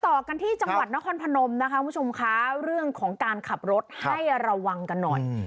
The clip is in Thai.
ต่อกันที่จังหวัดนครพนมเรื่องของการขับรถให้ระวังกันหน่อย